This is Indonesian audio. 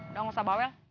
udah gak usah bawel